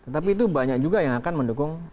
tetapi itu banyak juga yang akan mendukung